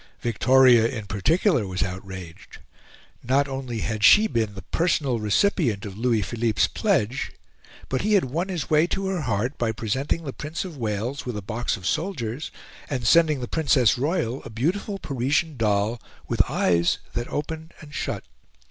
Victoria, in particular, was outraged. Not only had she been the personal recipient of Louis Philippe's pledge, but he had won his way to her heart by presenting the Prince of Wales with a box of soldiers and sending the Princess Royal a beautiful Parisian doll with eyes that opened and shut.